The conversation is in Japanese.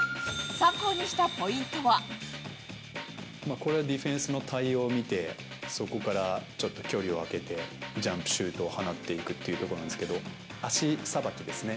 これはディフェンスの対応を見て、そこからちょっと距離を空けてジャンプシュートを放っていくっていうところなんですけど、足さばきですね。